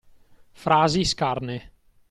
Frasi scarne.